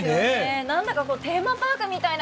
何だかテーマパークみたいな感じだなって。